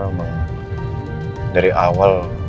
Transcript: emang dari awal